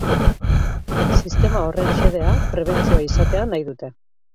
Sistema horren xedea prebentzioa izatea nahi dute.